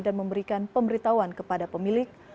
dan memberikan pemberitahuan kepada pemilik